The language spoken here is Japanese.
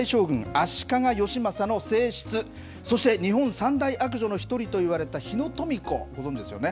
足利義政の正室、そして日本三大悪女の一人といわれた日野富子、ご存じですよね。